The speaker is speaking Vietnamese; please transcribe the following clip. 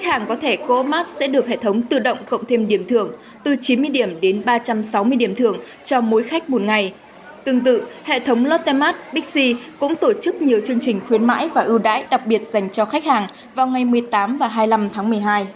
hệ thống của co op mart sẽ được hệ thống tự động cộng thêm điểm thưởng từ chín mươi điểm đến ba trăm sáu mươi điểm thưởng cho mỗi khách một ngày tương tự hệ thống lotte mart pixi cũng tổ chức nhiều chương trình khuyến mãi và ưu đãi đặc biệt dành cho khách hàng vào ngày một mươi tám và hai mươi năm tháng một mươi hai